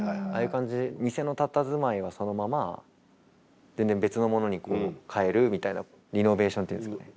店のたたずまいはそのまま全然別のものにこう変えるみたいなリノベーションって言うんですかね。